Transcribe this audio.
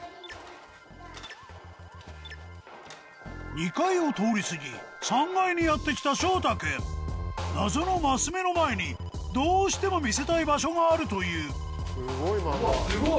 ２階を通り過ぎ３階にやって来た翔太くん謎のマス目の前にどうしても見せたい場所があるといううわすごい！